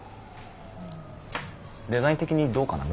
デザイン的にどうかな？